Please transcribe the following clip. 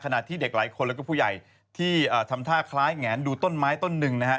ขณะที่เด็กหลายคนและผู้ใหญ่ที่ทำท่าคล้ายแงนดูต้นไม้ต้นนึง